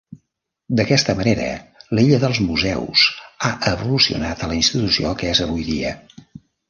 D"aquesta manera, l"illa dels museus ha evolucionat a la institució que és avui dia.